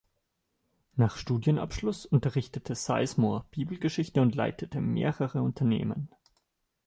Nach Studienabschluss unterrichtete Sizemore Bibel-Geschichte und leitete mehrere Unternehmen.